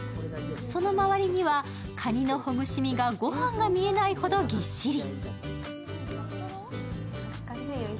その周りには、かにのほぐし身が、ご飯が見えないほどぎっしり。